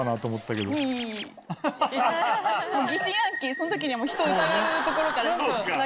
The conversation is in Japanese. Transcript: その時にはもう人を疑うところから。